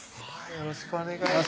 よろしくお願いします